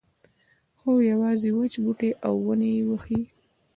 خو یوازې وچ بوټي او ونې یې وهي.